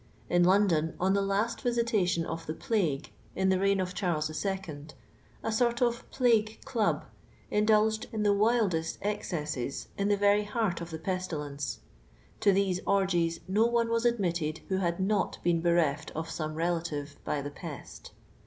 In London, on the last I visitation of the plague, in the reigji of Charles I II., a sort of IMa«ue Club indulged in tho wildest ' excesses in the very heart of the pestilence. To these orgies no one was admitted who had not been ' bereft of »omo relative by the pest.